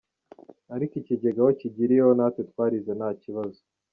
Ariko ikigega aho kigiriyeho natwe twarize nta kibazo.